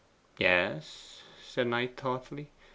'Yes,' said Knight thoughtfully.